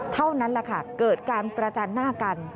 เท่านั้นแหละค่ะเกิดการประจันหน้ากัน